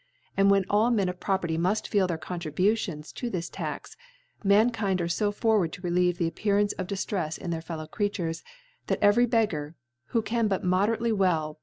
and when all Men of Property mult feel their Contriburions to this Tax, Mankind are fo forward to relieve the Appearance of Dif * trefs in th^ir Fellow crcat urea, that, every Beggar, who can but moderately well per*!